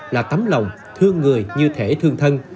là tấm lòng thương người như thể thương thân